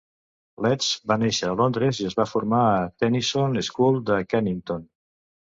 Letts va néixer a Londres i es va formar a la Tenison's School de Kennington.